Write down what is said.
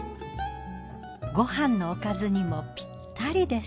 ご飯のおかずにもぴったりです。